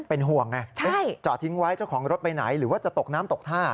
เป็นห่วงไงจอดทิ้งไว้เจ้าของรถไปไหนหรือว่าจะตกน้ำตกท่า